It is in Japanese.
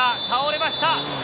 倒れました。